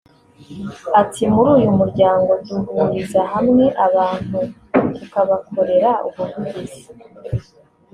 Ati “Muri uyu muryango duhuriza hamwe abantu tukabakorera ubuvugizi